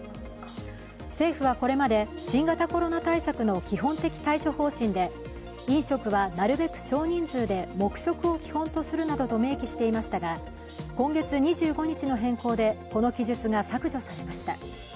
政府はこれまで新型コロナ対策の基本的対処方針で飲食はなるべく少人数で黙食を基本とするなどと明記していましたが今月２５日の変更でこの記述が削除されました。